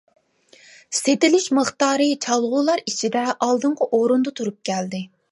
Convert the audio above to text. سېتىلىش مىقدارى چالغۇلار ئىچىدە ئالدىنقى ئورۇندا تۇرۇپ كەلدى.